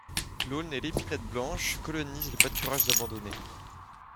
L'aulne et l’épinette blanche colonisent les pâturages abandonnés.